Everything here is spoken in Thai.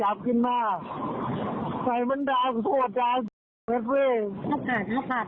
โณกตรงที่ก็ปรึงด